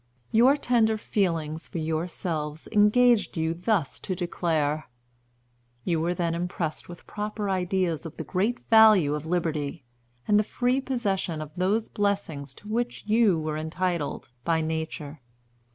"Your tender feelings for yourselves engaged you thus to declare. You were then impressed with proper ideas of the great value of Liberty, and the free possession of those blessings to which you were entitled by nature.